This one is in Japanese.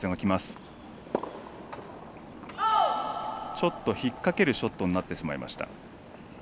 ちょっと引っ掛けるショットになってしまいました。